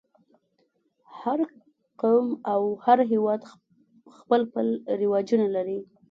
هر قوم او هر هېواد خپل خپل رواجونه لري.